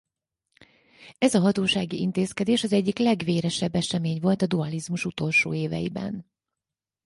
Ez a hatósági intézkedés az egyik legvéresebb esemény volt a dualizmus utolsó éveiben.